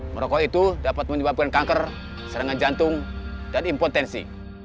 merokok itu dapat menyebabkan kanker serangan jantung dan impotensi